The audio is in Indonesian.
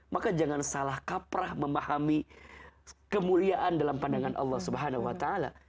maka jangan salah kaprah memahami kemuliaan dalam pandangan allah subhanahu wa ta'ala